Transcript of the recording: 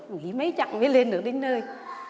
nghỉ mấy chặng mới lên được đến nơi